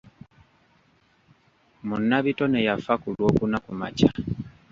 Munnabitone yafa kulwokuna kumakya.